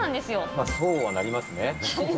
まあ、そうはなりますね。